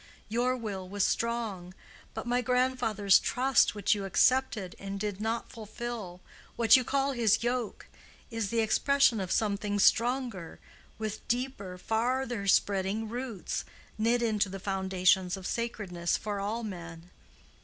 Your will was strong, but my grandfather's trust which you accepted and did not fulfill—what you call his yoke—is the expression of something stronger, with deeper, farther spreading roots, knit into the foundations of sacredness for all men.